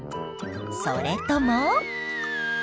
それとも。